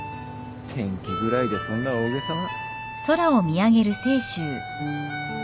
天気ぐらいでそんな大げさな。